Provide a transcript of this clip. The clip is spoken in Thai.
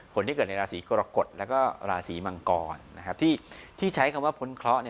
คนที่เกิดในราศีกรกฎแล้วก็ราศีมังกรที่ใช้คำว่าพ้นเคราะห์